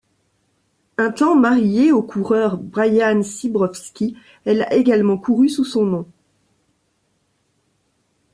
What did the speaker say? Un temps mariée au coureur Brian Sybrowsky, elle a également couru sous son nom.